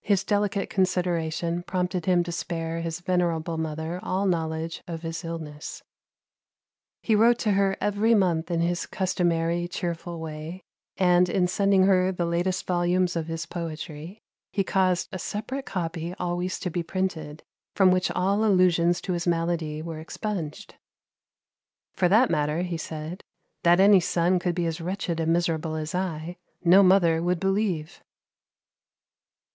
His delicate consideration prompted him to spare his venerable mother all knowledge of his illness. He wrote to her every month in his customary cheerful way; and, in sending her the latest volumes of his poetry, he caused a separate copy always to be printed, from which all allusions to his malady were expunged. "For that matter," he said, "that any son could be as wretched and miserable as I, no mother would believe."